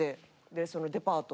でそのデパート